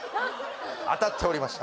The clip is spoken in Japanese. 当たっておりました